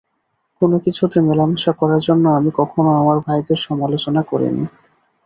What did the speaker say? কোন কিছুতে মেলামেশা করার জন্য আমি কখনও আমার ভাইদের সমালোচনা করিনি।